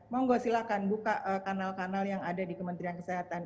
mohon gue silakan buka kanal kanal yang ada di kementerian kesehatan